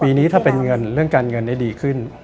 ปีนี้ถ้าเป็นเงินเรื่องการเงินได้ดีขึ้น